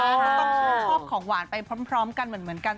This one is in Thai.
ก็ต้องชื่นชอบของหวานไปพร้อมกันเหมือนกัน